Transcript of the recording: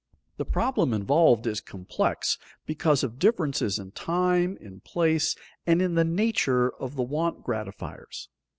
The problem involved is complex because of differences in time, in place, and in the nature of the want gratifiers.